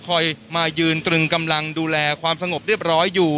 คอยมายืนตรึงกำลังดูแลความสงบเรียบร้อยอยู่